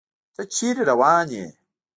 تۀ چېرته روان يې ؟